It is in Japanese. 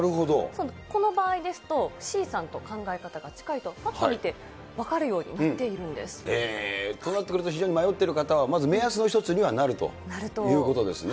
この場合ですと、Ｃさんと考え方が近いと、ぱっと見て分かるようになっているんでとなってくると、迷っている方は、まず、目安の一つにはなるということですね。